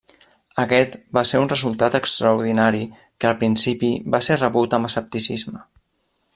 Aquest va ser un resultat extraordinari que al principi va ser rebut amb escepticisme.